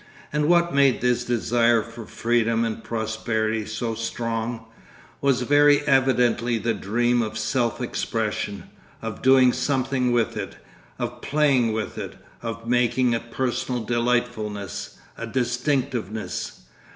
And what made this desire for freedom and prosperity so strong, was very evidently the dream of self expression, of doing something with it, of playing with it, of making a personal delightfulness, a distinctiveness.